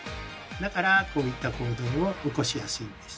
だからこういった行動を起こしやすいんです。